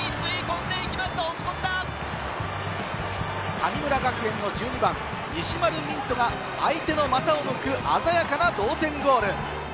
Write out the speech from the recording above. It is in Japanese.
神村学園の１２番・西丸道人が相手の股を抜く鮮やかな同点ゴール。